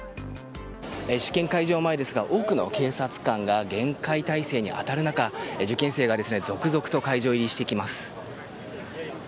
試験会場前ですが多くの警察官が厳戒態勢に当たる中、受験生が続々と会場入りしてきます。